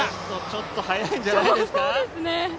ちょっと速いんじゃないですか。